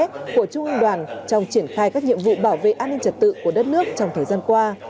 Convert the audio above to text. của trung ương đoàn trong triển khai các nhiệm vụ bảo vệ an ninh trật tự của đất nước trong thời gian qua